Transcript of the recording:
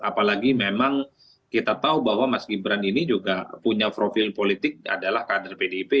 apalagi memang kita tahu bahwa mas gibran ini juga punya profil politik adalah kader pdip